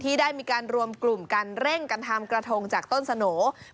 ได้มีการรวมกลุ่มกันเร่งกันทำกระทงจากต้นสโหน่